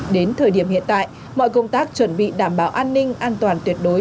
đến thời điểm hiện tại mọi công tác chuẩn bị đảm bảo an ninh an toàn tuyệt đối